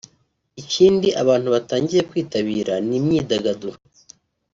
ikindi abantu batangiye kwitabira ni ‘Imyidagaduro’